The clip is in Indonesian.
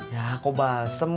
yah kok balsam